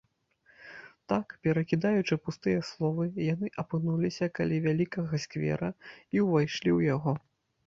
Так, перакідаючы пустыя словы, яны апынуліся каля вялікага сквера і ўвайшлі ў яго.